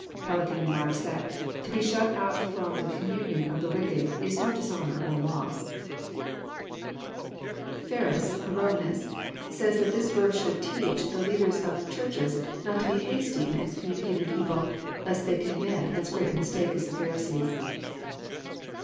Pellican remarks that << to be shut out from the communion of the wicked is no dishonour or loss." » 168 EXPOsrroRT thoughts Ferns, a Romanist, says that this verse should teach the lead ers of Churches not to be hasty in excommnnicating people, lest they commit as great mistake as the Pharisees.